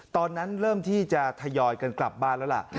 ตอนนั้นเริ่มที่จะทยอยกันกลับบ้านแล้วล่ะ